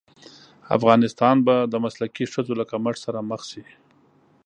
افغانستان به د مسلکي ښځو له کمښت سره مخ شي.